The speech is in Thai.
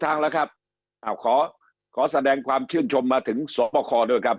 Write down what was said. ทางแล้วครับขอแสดงความชื่นชมมาถึงสพครด้วยครับ